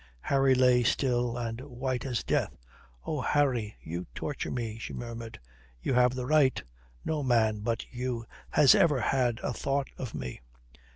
Harry lay still and white as death.... "Oh, Harry, you torture me," she murmured. "You have the right. No man but you has ever had a thought of me.